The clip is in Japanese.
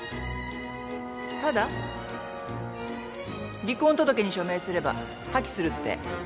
ただ離婚届に署名すれば破棄するって。